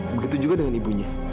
begitu juga dengan ibunya